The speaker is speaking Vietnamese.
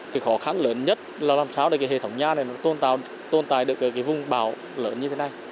cái khó khăn lớn nhất là làm sao để cái hệ thống nhà này nó tồn tại được ở cái vùng bão lớn như thế này